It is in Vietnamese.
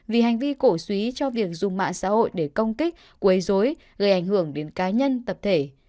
vì hành vi cổ suý cho việc dùng mạng xã hội để công kích quấy dối gây ảnh hưởng đến cá nhân tập thể